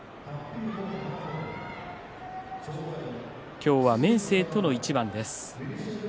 今日は明生との一番です。